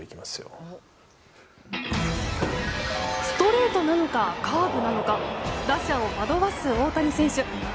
ストレートなのかカーブなのか打者を惑わす大谷選手。